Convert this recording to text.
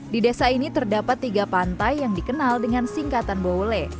di desa ini terdapat tiga pantai yang dikenal dengan singkatan bowole